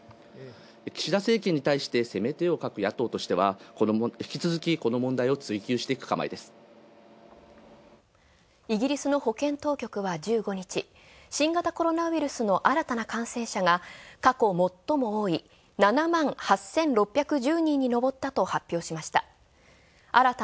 岸田政権に対して攻め手を欠く野党としてこの問題を津給していく構えですイギリスの保健当局は１５日、新型コロナウイルスの新たな感染者が過去最も多い７万８６１０人にのぼったと発表しました。